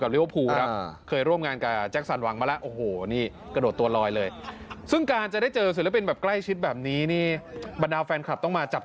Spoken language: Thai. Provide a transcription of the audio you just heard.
เพื่อเรียนรู้สู่โลกว้างฟังคนหา